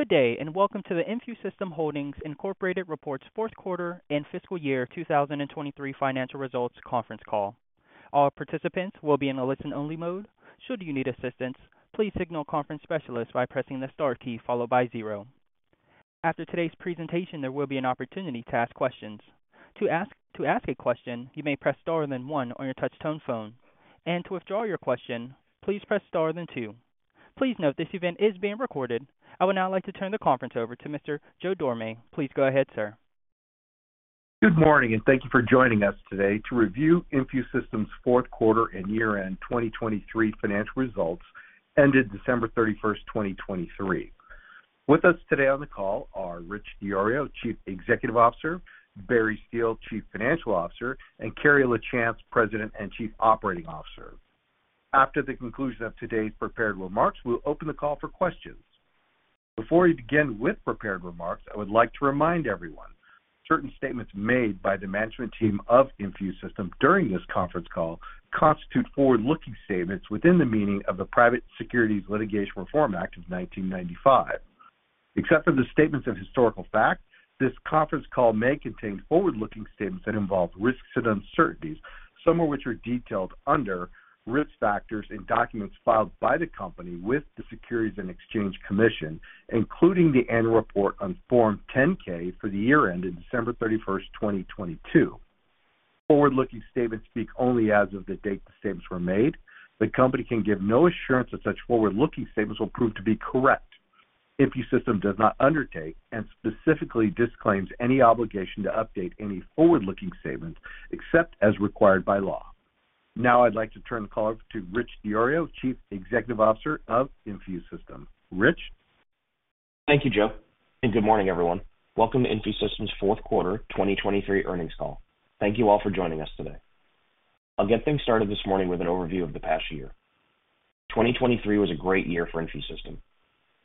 Good day, and welcome to the InfuSystem Holdings Incorporated Reports fourth quarter and fiscal year 2023 financial results conference call. All participants will be in a listen-only mode. Should you need assistance, please signal a conference specialist by pressing the star key followed by zero. After today's presentation, there will be an opportunity to ask questions. To ask a question, you may press star, then one on your touch-tone phone, and to withdraw your question, please press star, then two. Please note, this event is being recorded. I would now like to turn the conference over to Mr. Joe Dorame. Please go ahead, sir. Good morning, and thank you for joining us today to review InfuSystem's fourth quarter and year-end 2023 financial results, ended December 31, 2023. With us today on the call are Richard DiIorio, Chief Executive Officer, Barry Steele, Chief Financial Officer, and Carrie Lachance, President and Chief Operating Officer. After the conclusion of today's prepared remarks, we'll open the call for questions. Before we begin with prepared remarks, I would like to remind everyone, certain statements made by the management team of InfuSystem during this conference call constitute forward-looking statements within the meaning of the Private Securities Litigation Reform Act of 1995. Except for the statements of historical fact, this conference call may contain forward-looking statements that involve risks and uncertainties, some of which are detailed under "Risk Factors" in documents filed by the company with the Securities and Exchange Commission, including the annual report on Form 10-K for the year ended December thirty-first, 2022. Forward-looking statements speak only as of the date the statements were made. The company can give no assurance that such forward-looking statements will prove to be correct. InfuSystem does not undertake and specifically disclaims any obligation to update any forward-looking statements except as required by law. Now I'd like to turn the call over to Richard DiIorio, Chief Executive Officer of InfuSystem. Rich? Thank you, Joe, and good morning, everyone. Welcome to InfuSystem's fourth quarter 2023 earnings call. Thank you all for joining us today. I'll get things started this morning with an overview of the past year. 2023 was a great year for InfuSystem.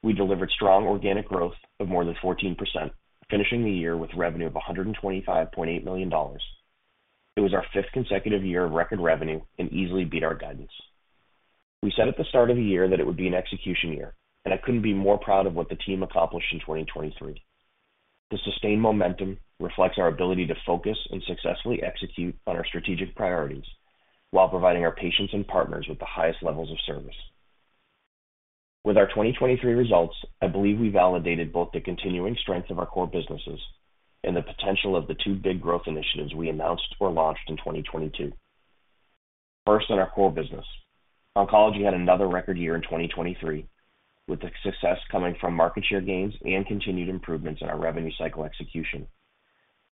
We delivered strong organic growth of more than 14%, finishing the year with revenue of $125.8 million. It was our fifth consecutive year of record revenue and easily beat our guidance. We said at the start of the year that it would be an execution year, and I couldn't be more proud of what the team accomplished in 2023. The sustained momentum reflects our ability to focus and successfully execute on our strategic priorities while providing our patients and partners with the highest levels of service. With our 2023 results, I believe we validated both the continuing strength of our core businesses and the potential of the two big growth initiatives we announced or launched in 2022. First, in our core business. Oncology had another record year in 2023, with the success coming from market share gains and continued improvements in our revenue cycle execution.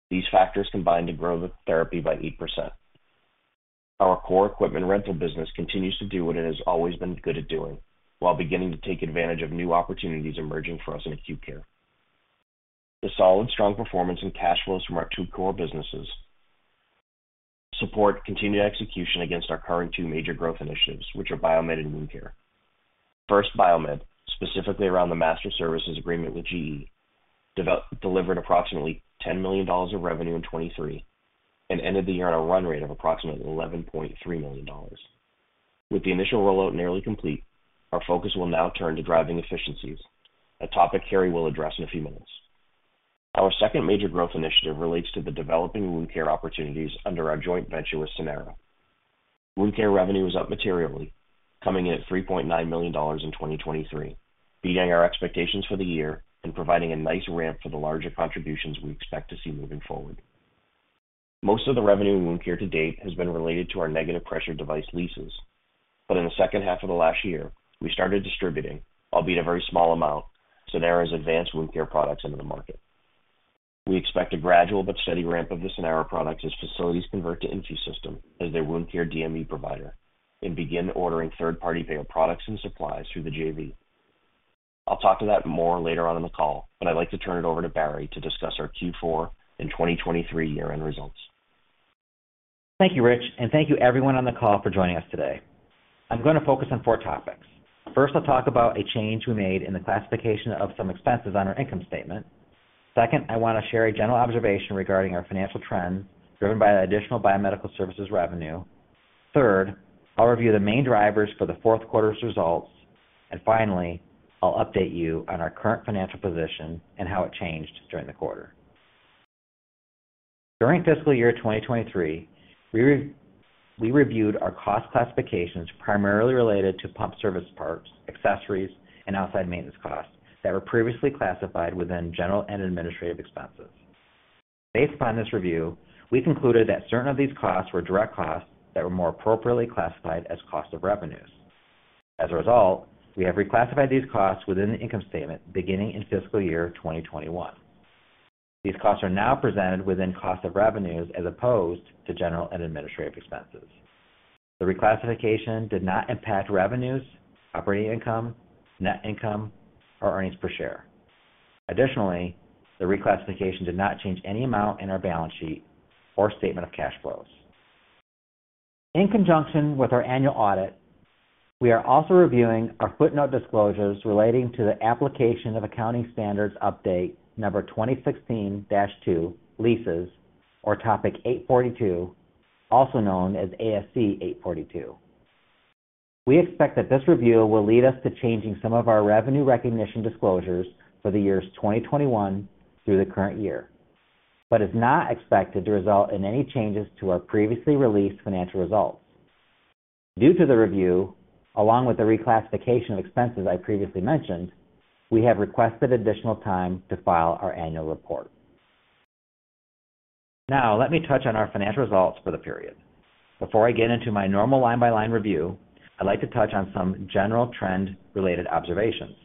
These factors combined to grow the therapy by 8%. Our core equipment rental business continues to do what it has always been good at doing, while beginning to take advantage of new opportunities emerging for us in acute care. The solid, strong performance and cash flows from our two core businesses support continued execution against our current two major growth initiatives, which are Biomed and wound care. First, Biomed, specifically around the master services agreement with GE, delivered approximately $10 million of revenue in 2023 and ended the year on a run rate of approximately $11.3 million. With the initial rollout nearly complete, our focus will now turn to driving efficiencies, a topic Carrie will address in a few minutes. Our second major growth initiative relates to the developing wound care opportunities under our joint venture with Sanara. Wound care revenue was up materially, coming in at $3.9 million in 2023, beating our expectations for the year and providing a nice ramp for the larger contributions we expect to see moving forward. Most of the revenue in wound care to date has been related to our negative pressure device leases, but in the second half of the last year, we started distributing, albeit a very small amount, Sanara's advanced wound care products into the market. We expect a gradual but steady ramp of the Sanara products as facilities convert to InfuSystem as their wound care DME provider and begin ordering third-party payer products and supplies through the JV. I'll talk to that more later on in the call, but I'd like to turn it over to Barry to discuss our Q4 and 2023 year-end results. Thank you, Rich, and thank you everyone on the call for joining us today. I'm going to focus on four topics. First, I'll talk about a change we made in the classification of some expenses on our income statement. Second, I want to share a general observation regarding our financial trends, driven by the additional biomedical services revenue. Third, I'll review the main drivers for the fourth quarter's results. And finally, I'll update you on our current financial position and how it changed during the quarter. During fiscal year 2023, we reviewed our cost classifications primarily related to pump service parts, accessories, and outside maintenance costs that were previously classified within general and administrative expenses. Based upon this review, we concluded that certain of these costs were direct costs that were more appropriately classified as cost of revenues. As a result, we have reclassified these costs within the income statement beginning in fiscal year 2021. These costs are now presented within cost of revenues as opposed to general and administrative expenses. The reclassification did not impact revenues, operating income, net income, or earnings per share. Additionally, the reclassification did not change any amount in our balance sheet or statement of cash flows. In conjunction with our annual audit, we are also reviewing our footnote disclosures relating to the application of Accounting Standards Update No. 2016-02, Leases, or Topic 842, also known as ASC 842. We expect that this review will lead us to changing some of our revenue recognition disclosures for the years 2021 through the current year, but is not expected to result in any changes to our previously released financial results. Due to the review, along with the reclassification of expenses I previously mentioned, we have requested additional time to file our annual report. Now, let me touch on our financial results for the period. Before I get into my normal line-by-line review, I'd like to touch on some general trend-related observations.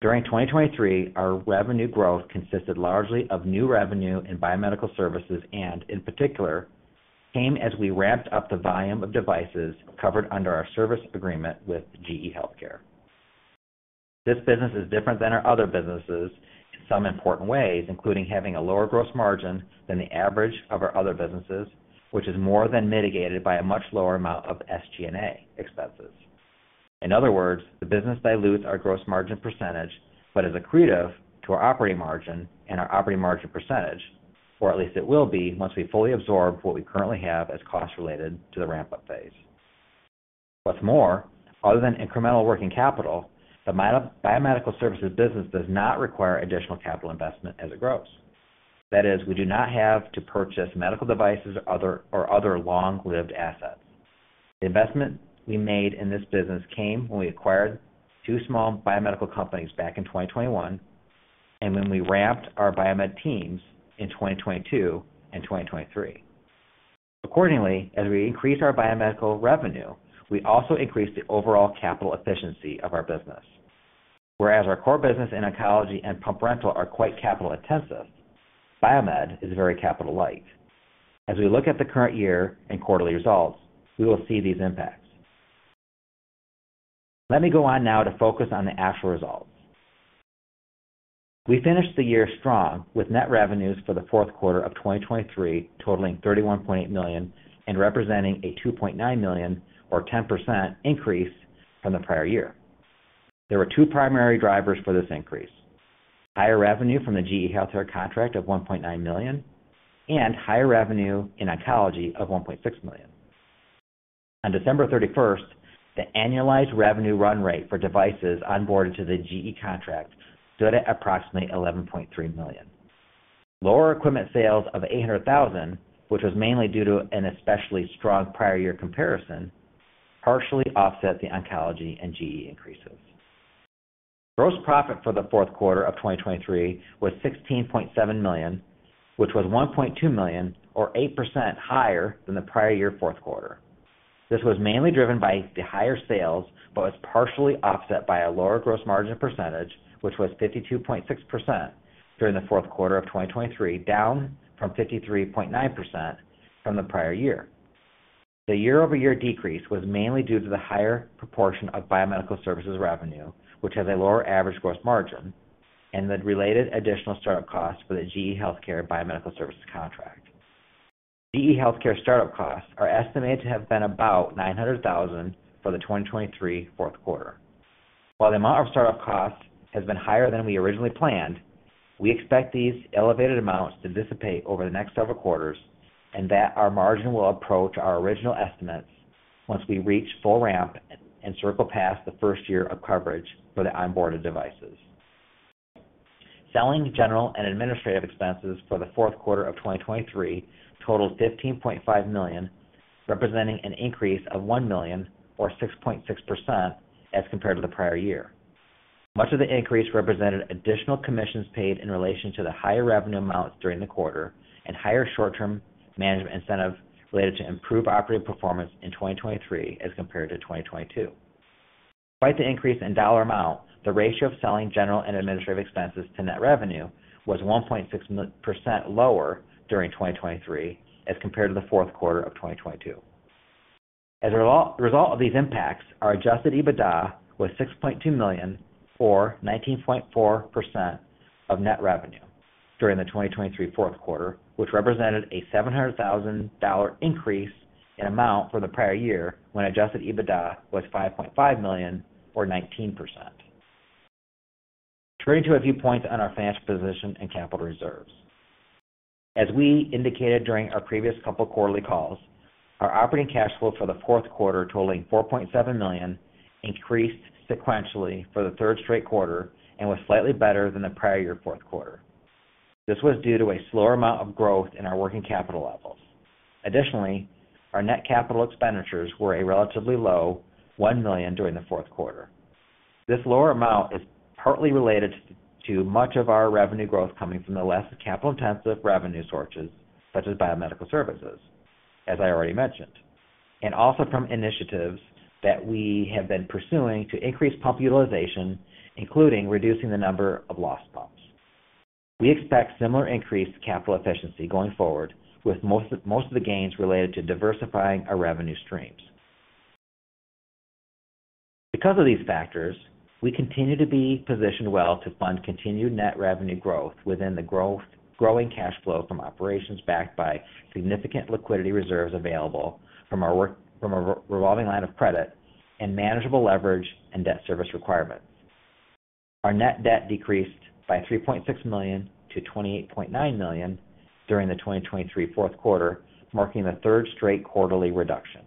During 2023, our revenue growth consisted largely of new revenue in biomedical services, and in particular, came as we ramped up the volume of devices covered under our service agreement with GE HealthCare. This business is different than our other businesses in some important ways, including having a lower gross margin than the average of our other businesses, which is more than mitigated by a much lower amount of SG&A expenses. In other words, the business dilutes our gross margin percentage, but is accretive to our operating margin and our operating margin percentage, or at least it will be once we fully absorb what we currently have as costs related to the ramp-up phase. What's more, other than incremental working capital, the biomedical services business does not require additional capital investment as it grows. That is, we do not have to purchase medical devices or other long-lived assets. The investment we made in this business came when we acquired two small biomedical companies back in 2021, and when we ramped our biomed teams in 2022 and 2023. Accordingly, as we increase our biomedical revenue, we also increase the overall capital efficiency of our business. Whereas our core business in oncology and pump rental are quite capital intensive, biomed is very capital light. As we look at the current year and quarterly results, we will see these impacts. Let me go on now to focus on the actual results. We finished the year strong, with net revenues for the fourth quarter of 2023 totaling $31.8 million, and representing a $2.9 million or 10% increase from the prior year. There were two primary drivers for this increase: higher revenue from the GE HealthCare contract of $1.9 million, and higher revenue in oncology of $1.6 million. On December 31, the annualized revenue run rate for devices onboarded to the GE contract stood at approximately $11.3 million. Lower equipment sales of $800,000, which was mainly due to an especially strong prior year comparison, partially offset the oncology and GE increases. Gross profit for the fourth quarter of 2023 was $16.7 million, which was $1.2 million or 8% higher than the prior year fourth quarter. This was mainly driven by the higher sales, but was partially offset by a lower gross margin percentage, which was 52.6% during the fourth quarter of 2023, down from 53.9% from the prior year. The year-over-year decrease was mainly due to the higher proportion of biomedical services revenue, which has a lower average gross margin and the related additional start-up costs for the GE HealthCare Biomedical Services contract. GE HealthCare start-up costs are estimated to have been about $900 thousand for the 2023 fourth quarter. While the amount of start-up costs has been higher than we originally planned, we expect these elevated amounts to dissipate over the next several quarters, and that our margin will approach our original estimates once we reach full ramp and circle past the first year of coverage for the onboarded devices. Selling, general, and administrative expenses for the fourth quarter of 2023 totaled $15.5 million, representing an increase of $1 million or 6.6% as compared to the prior year. Much of the increase represented additional commissions paid in relation to the higher revenue amounts during the quarter and higher short-term management incentive related to improved operating performance in 2023 as compared to 2022. Despite the increase in dollar amount, the ratio of selling, general, and administrative expenses to net revenue was 1.6% lower during 2023 as compared to the fourth quarter of 2022. As a result, as a result of these impacts, our Adjusted EBITDA was $6.2 million, or 19.4% of net revenue during the 2023 fourth quarter, which represented a $700,000 increase in amount from the prior year, when Adjusted EBITDA was $5.5 million, or 19%. Turning to a few points on our financial position and capital reserves. As we indicated during our previous couple of quarterly calls, our operating cash flow for the fourth quarter, totaling $4.7 million, increased sequentially for the third straight quarter and was slightly better than the prior year fourth quarter. This was due to a slower amount of growth in our working capital levels. Additionally, our net capital expenditures were a relatively low $1 million during the fourth quarter. This lower amount is partly related to much of our revenue growth coming from the less capital-intensive revenue sources, such as biomedical services, as I already mentioned, and also from initiatives that we have been pursuing to increase pump utilization, including reducing the number of lost pumps. We expect similar increased capital efficiency going forward, with most of the gains related to diversifying our revenue streams. Because of these factors, we continue to be positioned well to fund continued net revenue growth within the growing cash flow from operations, backed by significant liquidity reserves available from our revolving line of credit and manageable leverage and debt service requirements. Our net debt decreased by $3.6 million to $28.9 million during the 2023 fourth quarter, marking the third straight quarterly reduction.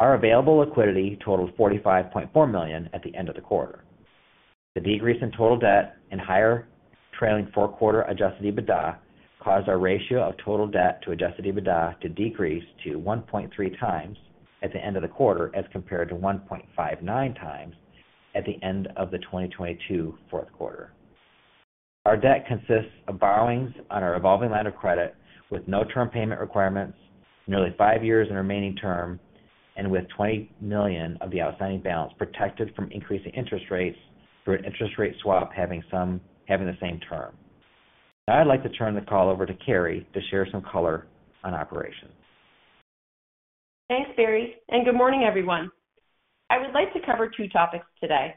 Our available liquidity totaled $45.4 million at the end of the quarter. The decrease in total debt and higher trailing four quarter adjusted EBITDA caused our ratio of total debt to adjusted EBITDA to decrease to 1.3 times at the end of the quarter, as compared to 1.59 times at the end of the 2022 fourth quarter. Our debt consists of borrowings on our revolving line of credit with no term payment requirements, nearly five years in remaining term, and with $20 million of the outstanding balance protected from increasing interest rates through an interest rate swap, having the same term. Now I'd like to turn the call over to Carrie to share some color on operations. Thanks, Barry, and good morning, everyone. I would like to cover two topics today.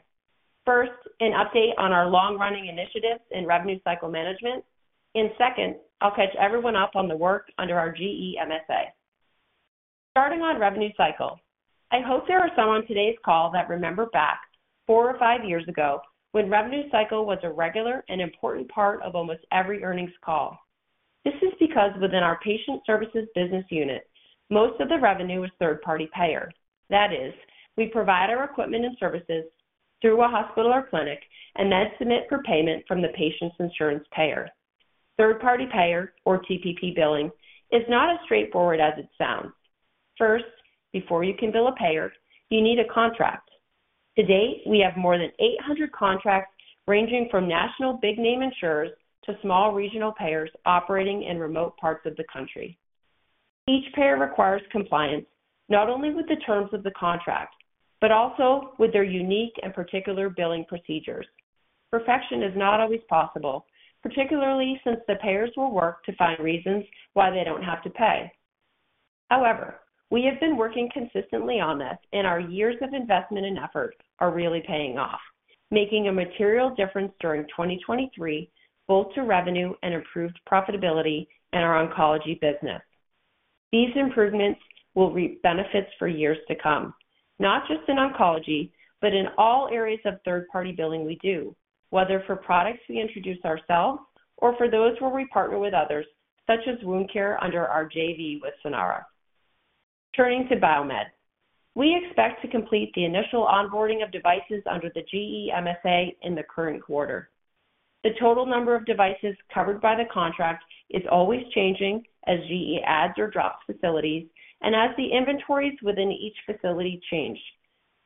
First, an update on our long-running initiatives in revenue cycle management. Second, I'll catch everyone up on the work under our GE MSA. Starting on revenue cycle, I hope there are some on today's call that remember back four or five years ago, when revenue cycle was a regular and important part of almost every earnings call. This is because within our patient services business unit, most of the revenue was third-party payer. That is, we provide our equipment and services through a hospital or clinic and then submit for payment from the patient's insurance payer. Third-party payer, or TPP billing, is not as straightforward as it sounds. First, before you can bill a payer, you need a contract. To date, we have more than 800 contracts, ranging from national big name insurers to small regional payers operating in remote parts of the country. Each payer requires compliance, not only with the terms of the contract, but also with their unique and particular billing procedures. Perfection is not always possible, particularly since the payers will work to find reasons why they don't have to pay. However, we have been working consistently on this, and our years of investment and effort are really paying off, making a material difference during 2023, both to revenue and improved profitability in our oncology business. These improvements will reap benefits for years to come, not just in oncology, but in all areas of third-party billing we do, whether for products we introduce ourselves or for those where we partner with others, such as wound care under our JV with Sanara. Turning to biomed. We expect to complete the initial onboarding of devices under the GE MSA in the current quarter. The total number of devices covered by the contract is always changing as GE adds or drops facilities and as the inventories within each facility change.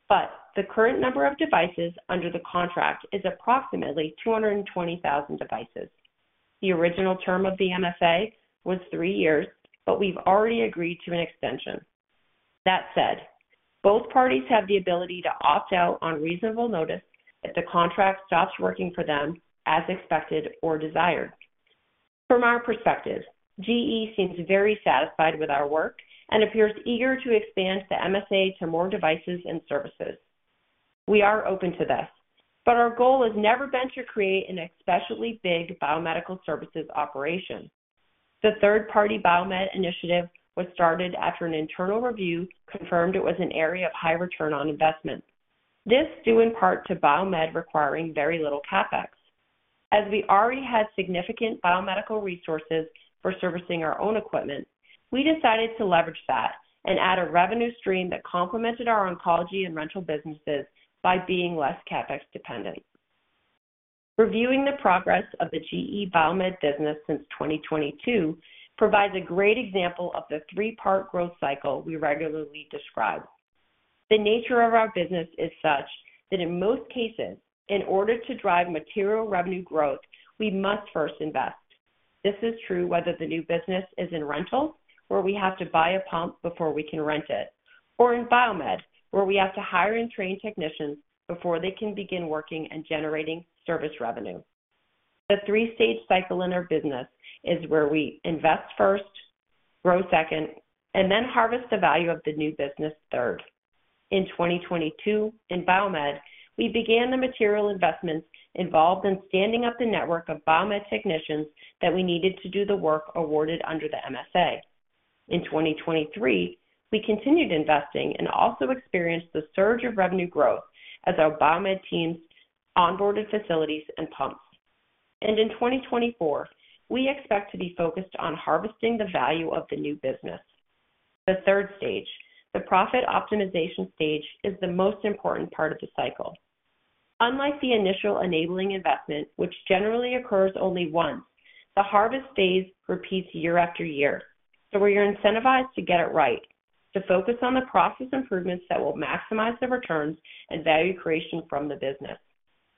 But the current number of devices under the contract is approximately 220,000 devices. The original term of the MSA was three years, but we've already agreed to an extension. That said, both parties have the ability to opt out on reasonable notice if the contract stops working for them as expected or desired. From our perspective, GE seems very satisfied with our work and appears eager to expand the MSA to more devices and services. We are open to this, but our goal has never been to create an especially big biomedical services operation. The third-party Biomed initiative was started after an internal review confirmed it was an area of high return on investment. This due in part to Biomed requiring very little CapEx. As we already had significant biomedical resources for servicing our own equipment, we decided to leverage that and add a revenue stream that complemented our oncology and rental businesses by being less CapEx dependent. Reviewing the progress of the GE Biomed business since 2022 provides a great example of the three-part growth cycle we regularly describe. The nature of our business is such that in most cases, in order to drive material revenue growth, we must first invest. This is true whether the new business is in rental, where we have to buy a pump before we can rent it, or in Biomed, where we have to hire and train technicians before they can begin working and generating service revenue. The three-stage cycle in our business is where we invest first, grow second, and then harvest the value of the new business third. In 2022, in Biomed, we began the material investments involved in standing up the network of Biomed technicians that we needed to do the work awarded under the MSA. In 2023, we continued investing and also experienced the surge of revenue growth as our Biomed teams onboarded facilities and pumps. In 2024, we expect to be focused on harvesting the value of the new business. The third stage, the profit optimization stage, is the most important part of the cycle. Unlike the initial enabling investment, which generally occurs only once, the harvest phase repeats year after year. So we are incentivized to get it right, to focus on the process improvements that will maximize the returns and value creation from the business.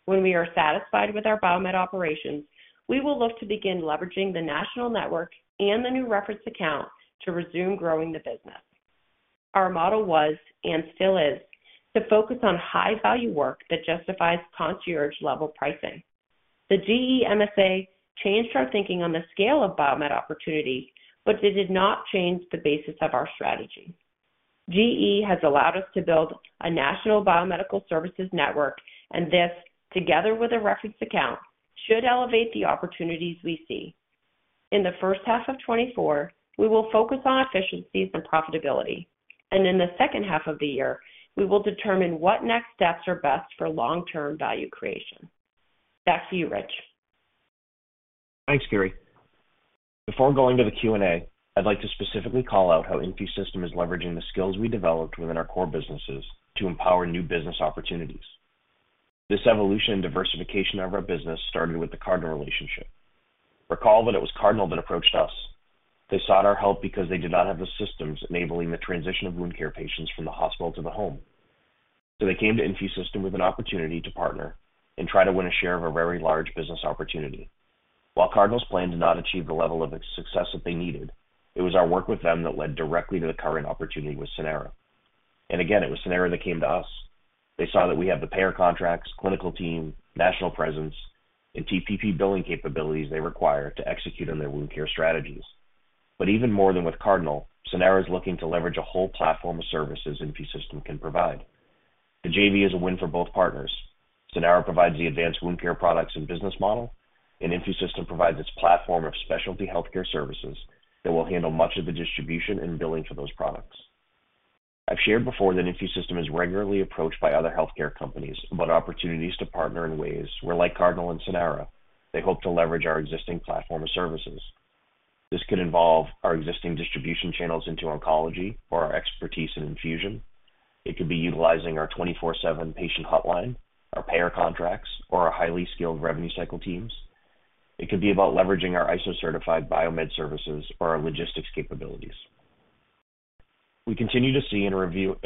When we are satisfied with our Biomed operations, we will look to begin leveraging the national network and the new reference account to resume growing the business. Our model was, and still is, to focus on high-value work that justifies concierge-level pricing. The GE MSA changed our thinking on the scale of Biomed opportunity, but it did not change the basis of our strategy. GE has allowed us to build a national biomedical services network, and this, together with a reference account, should elevate the opportunities we see... In the first half of 2024, we will focus on efficiencies and profitability, and in the second half of the year, we will determine what next steps are best for long-term value creation. Back to you, Rich. Thanks, Carrie. Before going to the Q&A, I'd like to specifically call out how InfuSystem is leveraging the skills we developed within our core businesses to empower new business opportunities. This evolution and diversification of our business started with the Cardinal relationship. Recall that it was Cardinal that approached us. They sought our help because they did not have the systems enabling the transition of wound care patients from the hospital to the home. So they came to InfuSystem with an opportunity to partner and try to win a share of a very large business opportunity. While Cardinal's plan did not achieve the level of success that they needed, it was our work with them that led directly to the current opportunity with Sanara. And again, it was Sanara that came to us. They saw that we have the payer contracts, clinical team, national presence, and TPP billing capabilities they require to execute on their wound care strategies. But even more than with Cardinal, Sanara is looking to leverage a whole platform of services InfuSystem can provide. The JV is a win for both partners. Sanara provides the advanced wound care products and business model, and InfuSystem provides its platform of specialty healthcare services that will handle much of the distribution and billing for those products. I've shared before that InfuSystem is regularly approached by other healthcare companies about opportunities to partner in ways where, like Cardinal and Sanara, they hope to leverage our existing platform of services. This could involve our existing distribution channels into oncology or our expertise in infusion. It could be utilizing our 24/7 patient hotline, our payer contracts, or our highly skilled revenue cycle teams. It could be about leveraging our ISO-certified Biomed services or our logistics capabilities. We continue to see in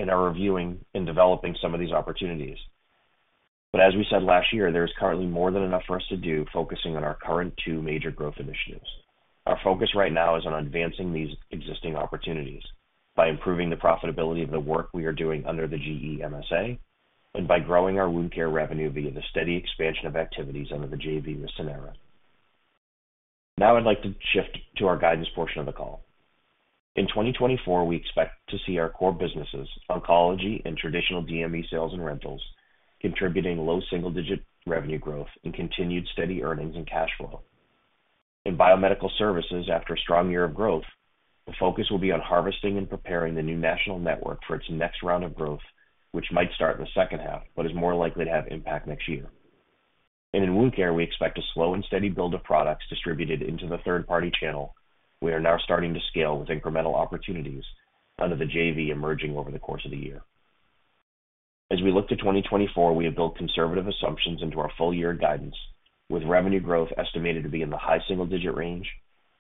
our reviewing and developing some of these opportunities, but as we said last year, there is currently more than enough for us to do, focusing on our current two major growth initiatives. Our focus right now is on advancing these existing opportunities by improving the profitability of the work we are doing under the GE MSA and by growing our wound care revenue via the steady expansion of activities under the JV with Sanara. Now I'd like to shift to our guidance portion of the call. In 2024, we expect to see our core businesses, Oncology and traditional DME sales and rentals, contributing low single-digit revenue growth and continued steady earnings and cash flow. In biomedical services, after a strong year of growth, the focus will be on harvesting and preparing the new national network for its next round of growth, which might start in the second half, but is more likely to have impact next year. In wound care, we expect a slow and steady build of products distributed into the third-party channel. We are now starting to scale with incremental opportunities under the JV emerging over the course of the year. As we look to 2024, we have built conservative assumptions into our full year guidance, with revenue growth estimated to be in the high single-digit range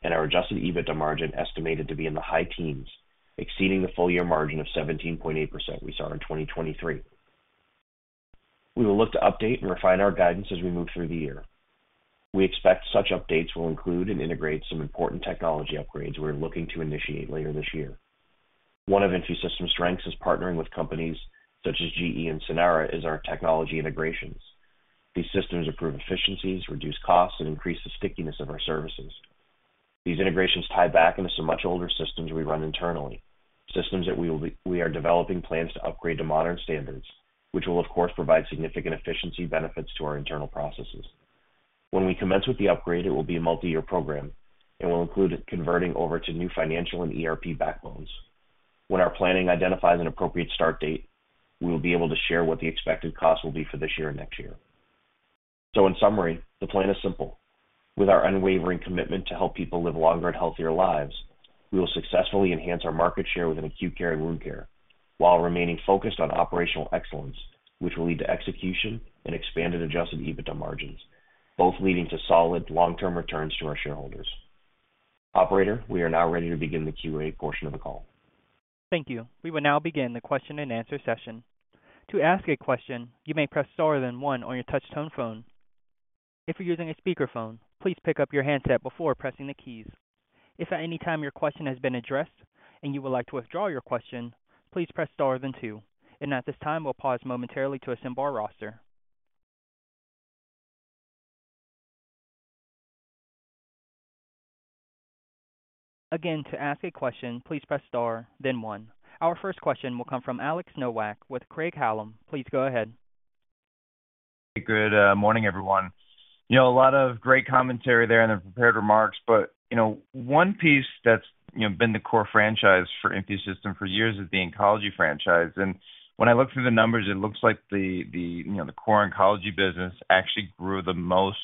and our Adjusted EBITDA margin estimated to be in the high teens, exceeding the full year margin of 17.8% we saw in 2023. We will look to update and refine our guidance as we move through the year. We expect such updates will include and integrate some important technology upgrades we're looking to initiate later this year. One of InfuSystem's strengths is partnering with companies, such as GE and Sanara, is our technology integrations. These systems improve efficiencies, reduce costs, and increase the stickiness of our services. These integrations tie back into some much older systems we run internally, systems that we are developing plans to upgrade to modern standards, which will, of course, provide significant efficiency benefits to our internal processes. When we commence with the upgrade, it will be a multi-year program and will include converting over to new financial and ERP backbones. When our planning identifies an appropriate start date, we will be able to share what the expected costs will be for this year and next year. So in summary, the plan is simple. With our unwavering commitment to help people live longer and healthier lives, we will successfully enhance our market share within acute care and wound care, while remaining focused on operational excellence, which will lead to execution and expanded Adjusted EBITDA margins, both leading to solid long-term returns to our shareholders. Operator, we are now ready to begin the Q&A portion of the call. Thank you. We will now begin the question-and-answer session. To ask a question, you may press star, then one on your touchtone phone. If you're using a speakerphone, please pick up your handset before pressing the keys. If at any time your question has been addressed and you would like to withdraw your question, please press star then two. At this time, we'll pause momentarily to assemble our roster. Again, to ask a question, please press star, then one. Our first question will come from Alex Nowak with Craig-Hallum. Please go ahead. Good morning, everyone. You know, a lot of great commentary there in the prepared remarks, but, you know, one piece that's, you know, been the core franchise for InfuSystem for years is the oncology franchise. And when I look through the numbers, it looks like the, you know, the core oncology business actually grew the most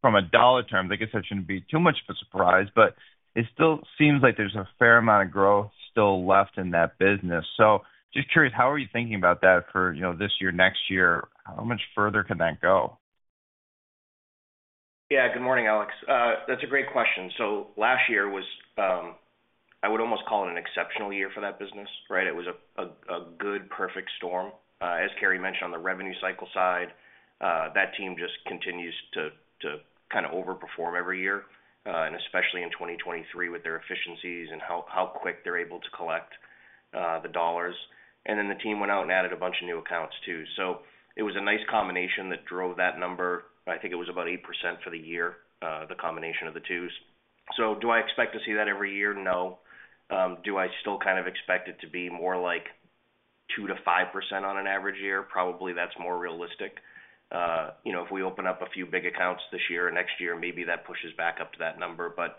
from a dollar term. I guess that shouldn't be too much of a surprise, but it still seems like there's a fair amount of growth still left in that business. So just curious, how are you thinking about that for, you know, this year, next year? How much further can that go? Yeah, good morning, Alex. That's a great question. So last year was, I would almost call it an exceptional year for that business, right? It was a good, perfect storm. As Carrie mentioned, on the revenue cycle side, that team just continues to kind of overperform every year, and especially in 2023, with their efficiencies and how quick they're able to collect, the dollars. And then the team went out and added a bunch of new accounts, too. So it was a nice combination that drove that number. I think it was about 8% for the year, the combination of the two. So do I expect to see that every year? No. Do I still kind of expect it to be more like 2%-5% on an average year, probably that's more realistic. You know, if we open up a few big accounts this year or next year, maybe that pushes back up to that number. But,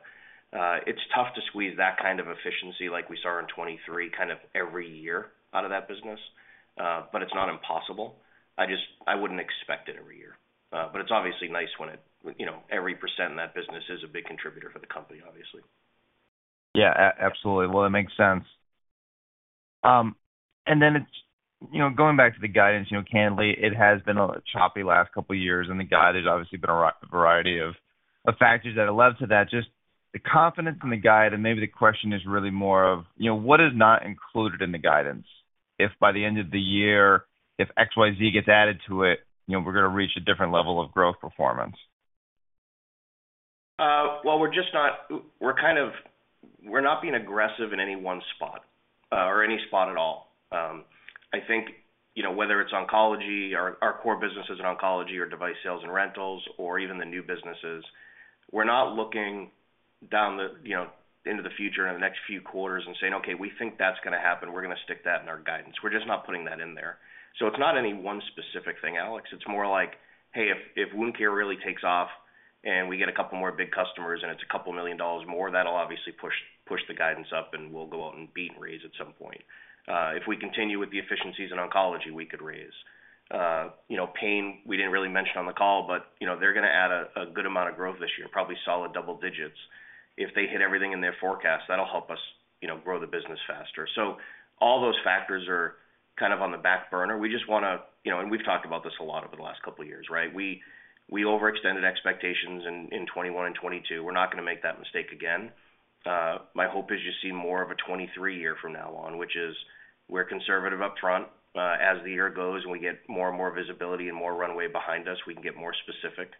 it's tough to squeeze that kind of efficiency like we saw in 2023, kind of every year out of that business. But it's not impossible. I just, I wouldn't expect it every year. But it's obviously nice when it, you know, every % in that business is a big contributor for the company, obviously. Yeah, absolutely. Well, it makes sense. And then it's, you know, going back to the guidance, you know, candidly, it has been a choppy last couple of years, and the guide has obviously been a variety of factors that have led to that. Just the confidence in the guide, and maybe the question is really more of, you know, what is not included in the guidance, if by the end of the year, if XYZ gets added to it, you know, we're gonna reach a different level of growth performance? Well, we're just not—we're kind of—we're not being aggressive in any one spot, or any spot at all. I think, you know, whether it's oncology, our core businesses in oncology or device sales and rentals or even the new businesses, we're not looking down the, you know, into the future in the next few quarters and saying, "Okay, we think that's gonna happen. We're gonna stick that in our guidance." We're just not putting that in there. So it's not any one specific thing, Alex. It's more like, hey, if wound care really takes off and we get a couple more big customers and it's $2 million more, that'll obviously push the guidance up, and we'll go out and beat and raise at some point. If we continue with the efficiencies in oncology, we could raise. You know, pain, we didn't really mention on the call, but, you know, they're gonna add a good amount of growth this year, probably solid double digits. If they hit everything in their forecast, that'll help us, you know, grow the business faster. So all those factors are kind of on the back burner. We just wanna, you know, and we've talked about this a lot over the last couple of years, right? We overextended expectations in 2021 and 2022. We're not gonna make that mistake again. My hope is you see more of a 2023 year from now on, which is we're conservative up front. As the year goes and we get more and more visibility and more runway behind us, we can get more specific,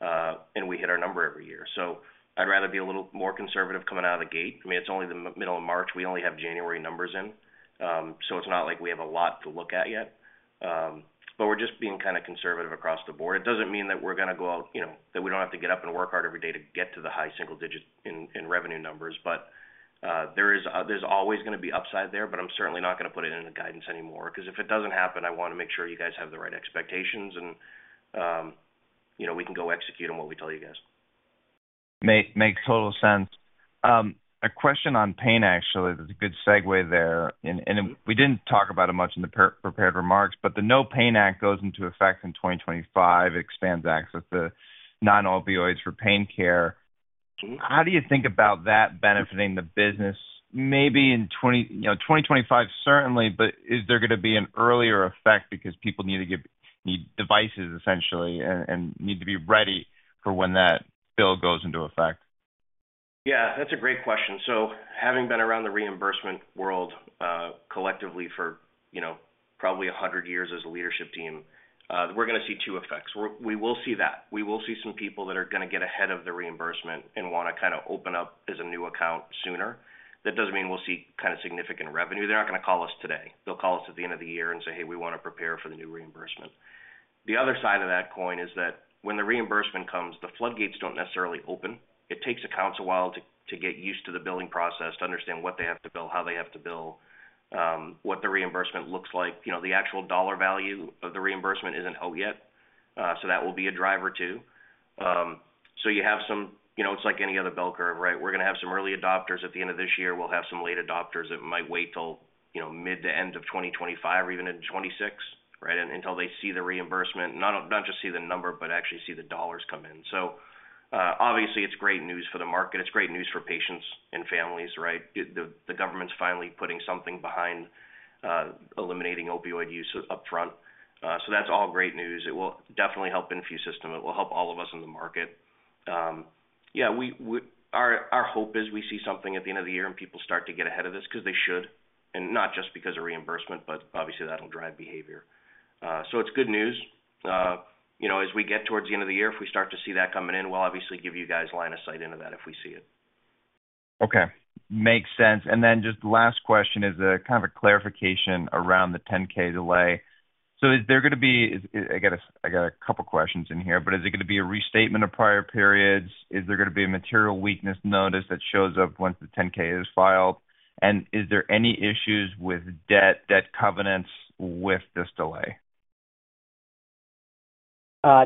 and we hit our number every year. So I'd rather be a little more conservative coming out of the gate. I mean, it's only the middle of March. We only have January numbers in, so it's not like we have a lot to look at yet. But we're just being kind of conservative across the board. It doesn't mean that we're gonna go out, you know, that we don't have to get up and work hard every day to get to the high single digits in revenue numbers. But there is, there's always gonna be upside there, but I'm certainly not gonna put it in the guidance anymore, because if it doesn't happen, I wanna make sure you guys have the right expectations and, you know, we can go execute on what we tell you guys. Makes total sense. A question on pain, actually, that's a good segue there. And we didn't talk about it much in the prepared remarks, but the NoPain Act goes into effect in 2025. It expands access to non-opioids for pain care. How do you think about that benefiting the business maybe in twenty... you know, 2025, certainly, but is there gonna be an earlier effect because people need to get, need devices, essentially, and need to be ready for when that bill goes into effect? Yeah, that's a great question. So having been around the reimbursement world, collectively for, you know, probably 100 years as a leadership team, we're gonna see two effects. We will see that. We will see some people that are gonna get ahead of the reimbursement and wanna kind of open up as a new account sooner. That doesn't mean we'll see kind of significant revenue. They're not gonna call us today. They'll call us at the end of the year and say, "Hey, we want to prepare for the new reimbursement." The other side of that coin is that when the reimbursement comes, the floodgates don't necessarily open. It takes accounts a while to get used to the billing process, to understand what they have to bill, how they have to bill, what the reimbursement looks like. You know, the actual dollar value of the reimbursement isn't out yet, so that will be a driver, too. So you have some... You know, it's like any other bell curve, right? We're gonna have some early adopters at the end of this year. We'll have some late adopters that might wait till, you know, mid to end of 2025 or even in 2026, right? Until they see the reimbursement, not just see the number, but actually see the dollars come in. So, obviously, it's great news for the market. It's great news for patients and families, right? The government's finally putting something behind eliminating opioid use upfront. So that's all great news. It will definitely help InfuSystem. It will help all of us in the market. Yeah, our hope is we see something at the end of the year, and people start to get ahead of this because they should, and not just because of reimbursement, but obviously that'll drive behavior. You know, as we get towards the end of the year, if we start to see that coming in, we'll obviously give you guys line of sight into that if we see it. Okay, makes sense. And then just last question is a kind of a clarification around the 10-K delay. So is there gonna be... I got a couple of questions in here, but is it gonna be a restatement of prior periods? Is there gonna be a material weakness notice that shows up once the 10-K is filed? And is there any issues with debt, debt covenants with this delay?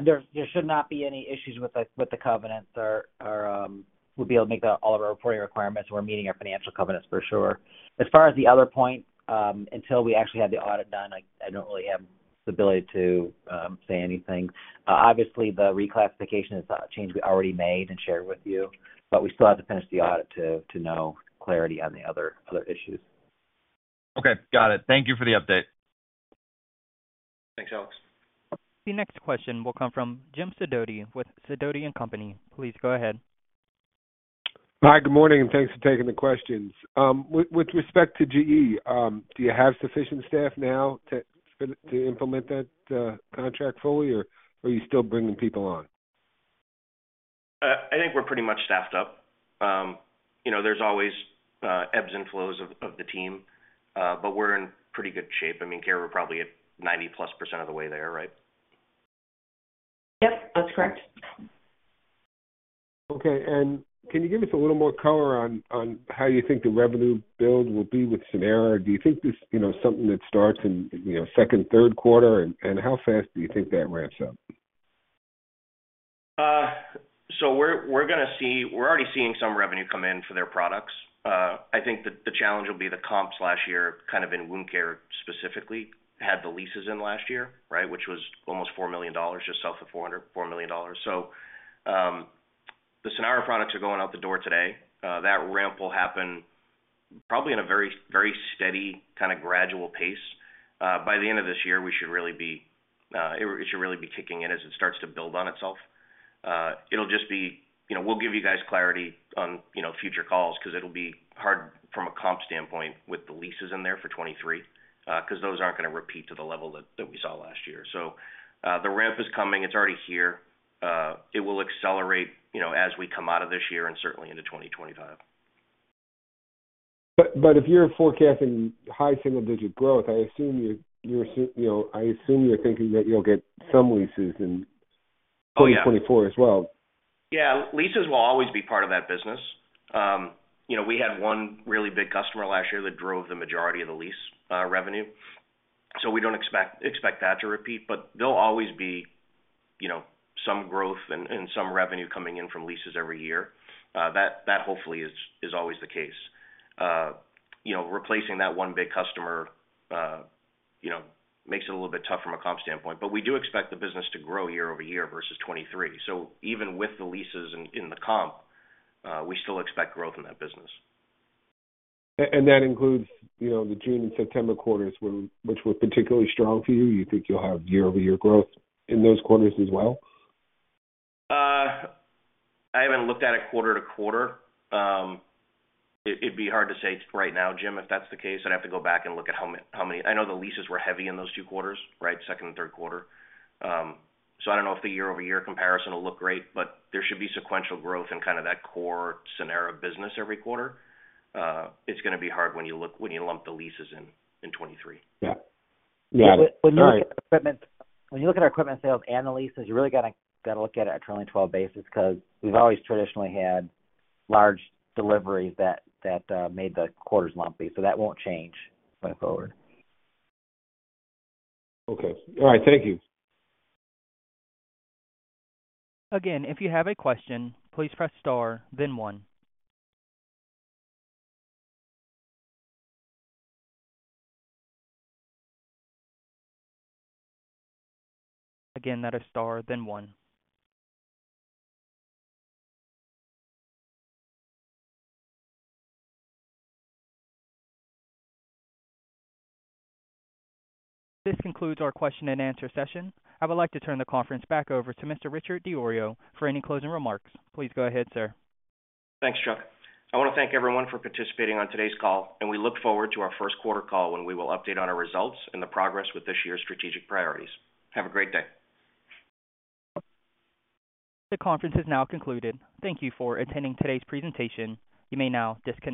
There should not be any issues with the covenants. We'll be able to make all of our reporting requirements. We're meeting our financial covenants for sure. As far as the other point, until we actually have the audit done, I don't really have the ability to say anything. Obviously, the reclassification is a change we already made and shared with you, but we still have to finish the audit to know clarity on the other issues. Okay, got it. Thank you for the update. Thanks, Alex. The next question will come from Jim Sidoti with Sidoti & Company. Please go ahead. Hi, good morning, and thanks for taking the questions. With, with respect to GE, do you have sufficient staff now to, to implement that contract fully, or are you still bringing people on? I think we're pretty much staffed up. You know, there's always ebbs and flows of the team, but we're in pretty good shape. I mean, Carrie, we're probably at 90%+ of the way there, right? Yep, that's correct.... Okay, and can you give us a little more color on how you think the revenue build will be with Sanara? Do you think this, you know, something that starts in, you know, second, third quarter, and how fast do you think that ramps up? So we're gonna see. We're already seeing some revenue come in for their products. I think that the challenge will be the comps last year, kind of in wound care specifically, had the leases in last year, right? Which was almost $4 million, just south of 400-- $4 million. So, the Sanara products are going out the door today. That ramp will happen probably in a very, very steady, kind of gradual pace. By the end of this year, we should really be, it should really be kicking in as it starts to build on itself. It'll just be, you know, we'll give you guys clarity on, you know, future calls 'cause it'll be hard from a comp standpoint with the leases in there for 2023, 'cause those aren't gonna repeat to the level that we saw last year. So, the ramp is coming. It's already here. It will accelerate, you know, as we come out of this year and certainly into 2025. But if you're forecasting high single-digit growth, I assume you're, you know, I assume you're thinking that you'll get some leases in- Oh, yeah. - 2024 as well. Yeah. Leases will always be part of that business. You know, we had one really big customer last year that drove the majority of the lease revenue, so we don't expect that to repeat. But there'll always be, you know, some growth and some revenue coming in from leases every year. That hopefully is always the case. You know, replacing that one big customer, you know, makes it a little bit tough from a comp standpoint, but we do expect the business to grow year-over-year versus 2023. So even with the leases in the comp, we still expect growth in that business. and that includes, you know, the June and September quarters, which were particularly strong for you. You think you'll have year-over-year growth in those quarters as well? I haven't looked at it quarter to quarter. It'd be hard to say right now, Jim, if that's the case. I'd have to go back and look at how many... I know the leases were heavy in those two quarters, right? Second and third quarter. So I don't know if the year-over-year comparison will look great, but there should be sequential growth in kind of that core Sanara business every quarter. It's gonna be hard when you look, when you lump the leases in, in 2023. Yeah. Yeah. All right. When you look at equipment, when you look at our equipment sales and the leases, you really gotta look at it on a trailing twelve basis, 'cause we've always traditionally had large deliveries that made the quarters lumpy. So that won't change going forward. Okay. All right, thank you. Again, if you have a question, please press star then one. Again, that is star then one. This concludes our question and answer session. I would like to turn the conference back over to Mr. Richard DiIorio for any closing remarks. Please go ahead, sir. Thanks, Chuck. I want to thank everyone for participating on today's call, and we look forward to our first quarter call, when we will update on our results and the progress with this year's strategic priorities. Have a great day. The conference is now concluded. Thank you for attending today's presentation. You may now disconnect.